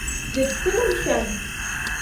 Дыԥсыма, мшәан?